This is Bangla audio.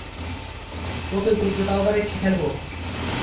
ওকে গুরুত্ব সহকারে খেলবো।